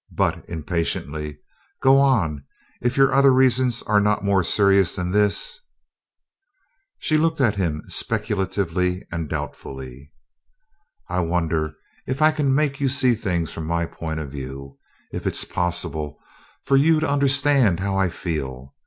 But," impatiently, "go on; if your other reasons are not more serious than this " She looked at him speculatively and doubtfully: "I wonder, if I can make you see things from my point of view if it's possible for you to understand how I feel.